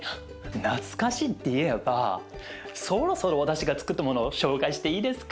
懐かしいっていえばそろそろ私がつくったもの紹介していいですか？